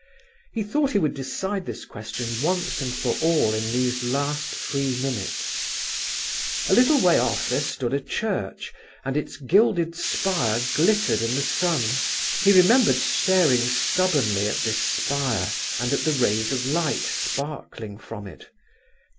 He thought he would decide this question once for all in these last three minutes. A little way off there stood a church, and its gilded spire glittered in the sun. He remembered staring stubbornly at this spire, and at the rays of light sparkling from it.